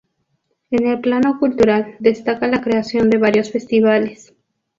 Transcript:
En el plano cultural destaca la creación de varios festivales.